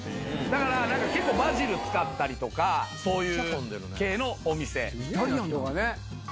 結構バジル使ったりとかそういう系のお店。